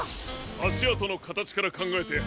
あしあとのかたちからかんがえてはんにんは。